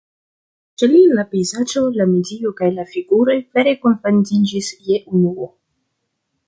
Ĉe li la pejzaĝo, la medio kaj la figuroj vere kunfandiĝis je unuo.